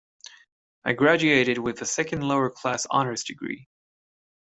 I graduated with a second lower class honours degree.